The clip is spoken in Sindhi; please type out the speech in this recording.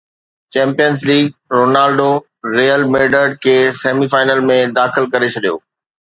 champions league Ronaldo Real Madrid کي سيمي فائنل ۾ داخل ڪري ڇڏيو